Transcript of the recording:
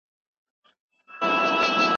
ایا ته په خپله څېړنه کي له کوم چا سره کار کوي؟